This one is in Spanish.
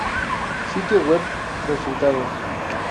Sitio web resultados